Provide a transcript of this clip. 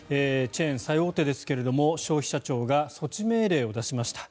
チェーン最大手ですけど消費者庁が措置命令を出しました。